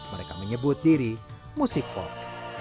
mereka menyebut diri musik forbes